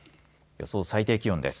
予想最低気温です。